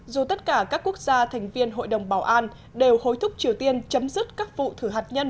dù tất cả các quốc gia thành viên hội đồng bảo an đều hối thúc triều tiên chấm dứt các vụ thử hạt nhân